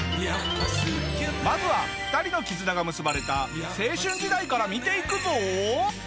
まずは２人の絆が結ばれた青春時代から見ていくぞ。